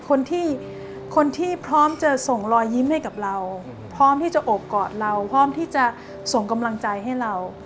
คนที่คนที่พร้อมจะส่งรอยยิ้มให้กับเราพร้อมที่จะโอบกอดเราพร้อมที่จะส่งกำลังใจให้เรา